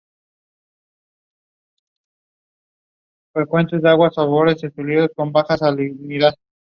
Lo principal que queremos transmitir es que somos verdaderas artistas.